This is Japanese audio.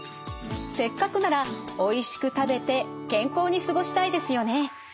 せっかくならおいしく食べて健康に過ごしたいですよね。